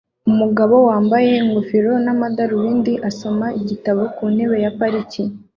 Umugabo wambaye ingofero n'amadarubindi asoma igitabo ku ntebe ya parike